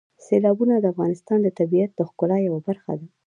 سیلابونه د افغانستان د طبیعت د ښکلا یوه برخه ده.